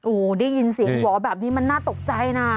โอ้โหได้ยินเสียงหวอแบบนี้มันน่าตกใจนะ